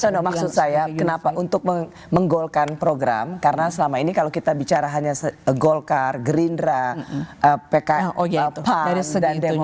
maksud saya kenapa untuk menggolkan program karena selama ini kalau kita bicara hanya golkar gerindra pks pan dan demokrat